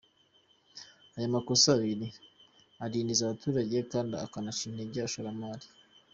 Ayo makosa abiri adindiza abaturage kandi akanaca intege abashoramari.